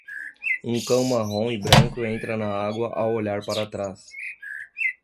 Um cão marrom e branco entra na água ao olhar para trás.